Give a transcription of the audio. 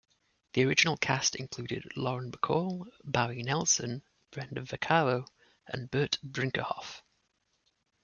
The original cast included Lauren Bacall, Barry Nelson, Brenda Vaccaro, and Burt Brinckerhoff.